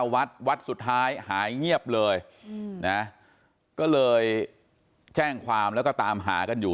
วัดวัดสุดท้ายหายเงียบเลยนะก็เลยแจ้งความแล้วก็ตามหากันอยู่